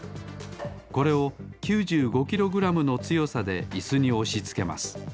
これを９５キログラムのつよさでイスにおしつけます。